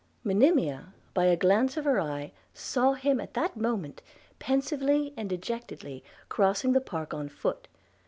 Monimia, by a glance of her eye, saw him at that moment pensively and dejectedly crossing the park on foot.